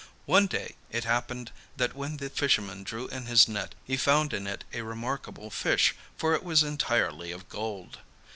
One day it happened that when the fisherman drew in his net he found in it a remarkable fish, for it was entirely of gold.